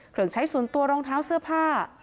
เครื่องใช้ส่วนตัวรองเท้าเสื้อผ้า